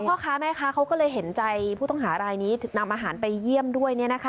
พ่อค้าแม่ค้าเขาก็เลยเห็นใจผู้ต้องหารายนี้นำอาหารไปเยี่ยมด้วย